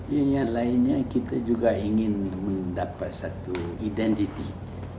ya yang lainnya kita juga ingin mendapat satu identitas